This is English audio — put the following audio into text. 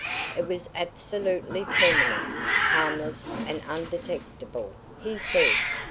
It was absolutely permanent, harmless and undetectable, he said.